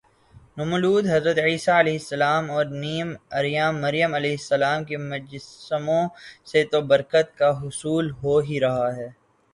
نومولود حضرت عیسی ؑ اور نیم عریاں مریم ؑ کے مجسموں سے تو برکت کا حصول ہو ہی رہا ہے